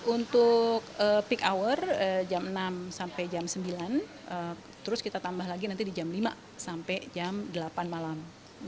untuk peak hour jam enam sampai jam sembilan terus kita tambah lagi nanti di jam lima sampai jam delapan malam